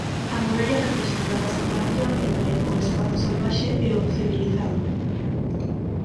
A muralla representaba a separación entre o «espazo salvaxe» e o «civilizado».